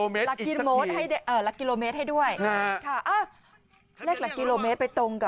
เมื่อสักครู่ด้านบนนะคะ